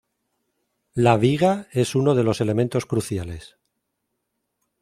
La viga es uno de los elementos cruciales.